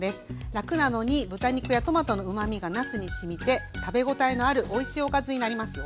らくなのに豚肉やトマトのうまみがなすにしみて食べ応えのあるおいしいおかずになりますよ。